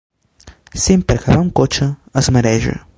Sempre que va amb cotxe es mareja.